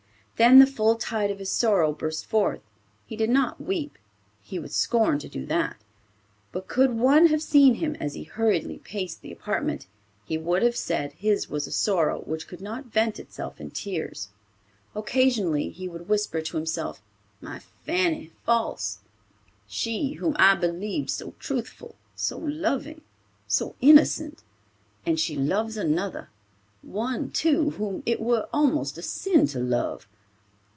Then the full tide of his sorrow burst forth. He did not weep. He would scorn to do that. But could one have seen him as he hurriedly paced the apartment, he would have said, his was a sorrow which could not vent itself in tears. Occasionally he would whisper to himself, "My Fanny false!—she whom I believed so truthful, so loving, so innocent! And she loves another—one, too, whom it were almost a sin to love.